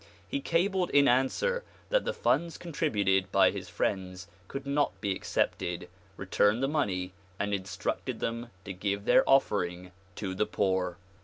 He cabled in answer that the funds contributed by his friends could not be accepted, returned the money and instructed them to give their offering to the poor.